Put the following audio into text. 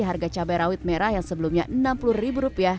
harga cabai rawit merah yang sebelumnya rp enam puluh